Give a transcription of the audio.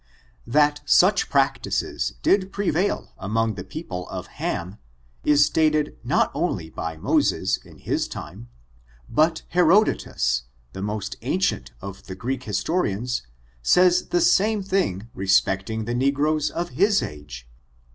That such practices did prevail among the people of Ham, is stated not ^nly by Moses, in his time, but Herodotus^ the most ancient of the Greek histonans, says the same thing respecting the negroes of his age.